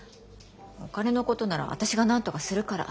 お金のことなら私がなんとかするから。